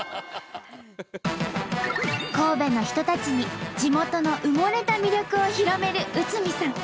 神戸の人たちに地元の埋もれた魅力を広める慈さん。